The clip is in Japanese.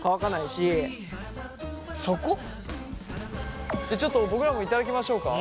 そこ？じゃちょっと僕らも頂きましょうか。